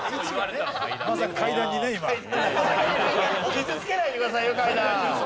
傷つけないでくださいよ！